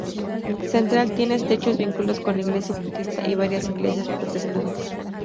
Central tiene estrechos vínculos con la Iglesia Bautista y varias iglesias protestantes.